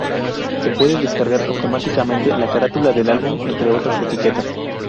Se puede descargar automáticamente la carátula del álbum, entre otras etiquetas.